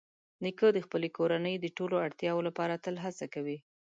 نیکه د خپلې کورنۍ د ټولو اړتیاوو لپاره تل هڅه کوي.